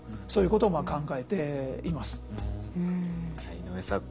井上さん